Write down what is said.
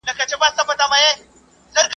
o چي رنگ دې په کيسه ژړ سي، تورو تې مه ځه!